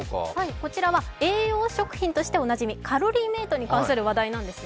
こちらは栄養食品としておなじみ、カロリーメイトに関する話題なんですね。